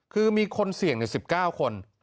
คือมีคนเสี่ยง๑๙คน